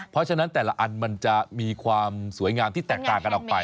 เพราะฉะนั้นแต่ละอันมันจะมีความสวยงามที่แตกต่างกันออกไป